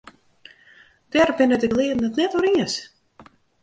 Dêr binne de gelearden it net oer iens.